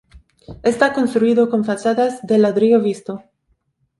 Está construido con fachadas de ladrillo visto.